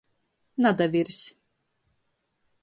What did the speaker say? Nadavirs.